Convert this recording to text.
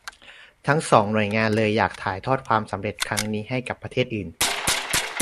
ทั้งสองหน่วยงานเลยอยากถ่ายทอดความสำเร็จครั้งนี้ให้กับประเทศอื่น